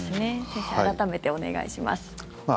先生、改めてお願いします。